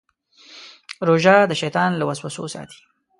روژه د شیطان له وسوسو ساتي.